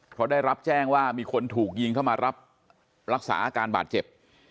เพราะได้รับแจ้งว่ามีคนถูกยิงเข้ามารับรักษาอาการบาดเจ็บ